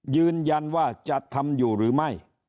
ยืนยันว่าจะทำอยู่หรือไม่